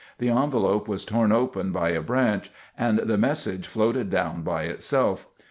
The envelope was torn open by a branch, and the message floated down by itself.